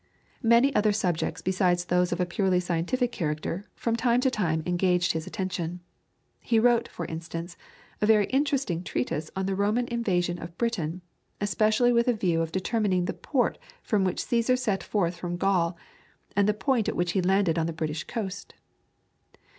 Many other subjects besides those of a purely scientific character from time to time engaged his attention. He wrote, for instance, a very interesting treatise on the Roman invasion of Britain, especially with a view of determining the port from which Caesar set forth from Gaul, and the point at which he landed on the British coast.